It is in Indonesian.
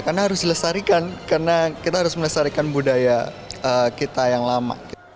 karena harus dilestarikan karena kita harus melestarikan budaya kita yang lama